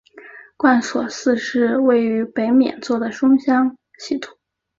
贯索四是位于北冕座的双星系统。